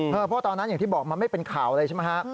เพราะตอนนั้นอย่างที่บอกมันไม่เป็นข่าวเลยใช่ไหมฮะ